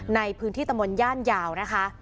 ในพื้นที่ตะมนตย่านยาวนะคะ